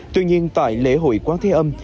tuy nhiên tại lễ hội quán thế âm